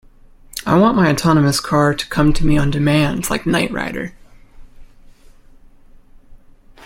I want my autonomous car to come to me on demand like night rider.